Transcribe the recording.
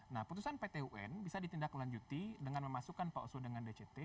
nah putusan pt un bisa ditindaklanjuti dengan memasukkan pak oso dengan dct